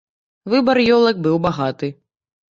Выбар ёлак быў багаты.